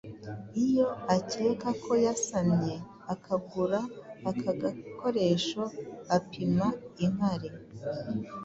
iyo akeka ko yasamye yakagura akagakoresha apima inkari,